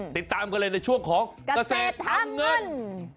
ติดตามกันเลยในช่วงของเกษตรทำเงิน